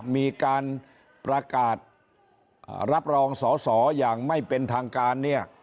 มีการประกาศรับรองสอสออย่างไม่เป็นทางการเนี่ย